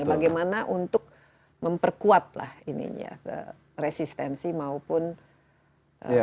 bagaimana untuk memperkuatlah ininya resistensi maupun pemahaman si anak